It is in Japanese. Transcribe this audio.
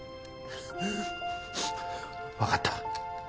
分かった。